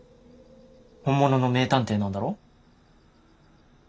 本物の名探偵なんだろ？